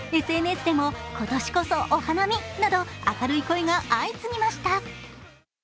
ＳＮＳでも、今年こそお花見など、明るい声が相次ぎました。